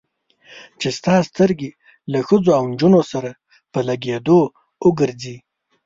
چې ستا سترګې له ښځو او نجونو سره په لګېدو اور ګرځي.